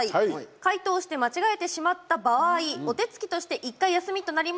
解答して間違えてしまった場合お手つきとして、１回休みとなりますのでご注意ください。